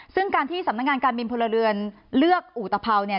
ซึ่งการที่สำนักงานการบินพลเรือนเลือกอุตภัวเนี่ย